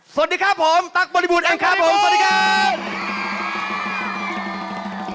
สวัสดีครับผมตั๊บบริบูรณแองครับผมสวัสดีครับ